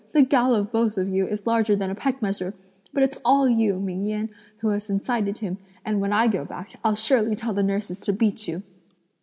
The gall of both of you is larger than a peck measure; but it's all you, Ming Yen, who has incited him, and when I go back, I'll surely tell the nurses to beat you."